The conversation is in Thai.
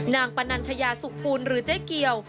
นางปนัญชยาสุภูนิหรือเจ๊เกียว